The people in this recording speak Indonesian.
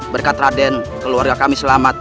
berkat raden keluarga kami selamat